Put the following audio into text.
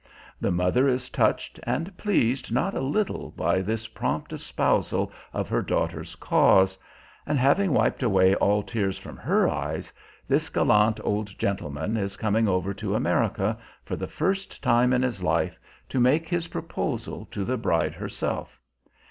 The mother is touched and pleased not a little by this prompt espousal of her daughter's cause; and having wiped away all tears from her eyes, this gallant old gentleman is coming over to America, for the first time in his life, to make his proposal to the bride herself!